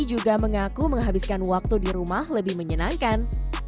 juga mengaku menghabiskan waktu di rumah lebih menyenangkan